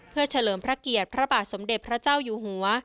เพื่อเฉลิมพระเกียรติพระบาทสมเด็จพระเจ้าอยู่หัว